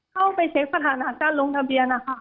เข้าไปเช็คสถานะการลงทะเบียนนะคะ